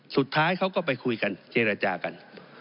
สุดท้ายเขาก็ไปคุยกันเจรจากัน